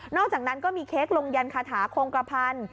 อกจากนั้นก็มีเค้กลงยันคาถาโคงกระพันธ์